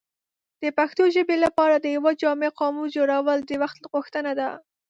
د پښتو ژبې لپاره د یو جامع قاموس جوړول د وخت غوښتنه ده.